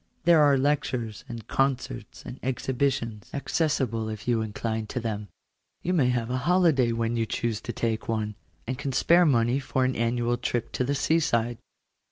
There are lectures, and concerts, and exhibitions, accessible if you incline to them. You may have a holiday when you choose to take one, and can spare money for an annual trip to the sea side.